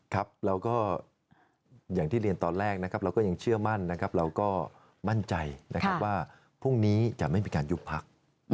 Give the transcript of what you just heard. ครับเราก็อย่างที่เรียนตอนแรกนะครับเราก็ยังเชื่อมั่นนะครับเราก็มั่นใจนะครับว่าพรุ่งนี้จะไม่มีการยุบพัก